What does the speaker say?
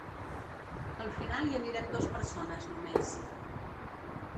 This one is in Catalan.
Al final hi anirem dos persones nomes.